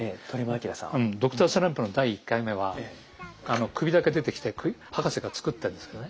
「Ｄｒ．スランプ」の第１回目は首だけ出てきて博士が作ったんですけどね。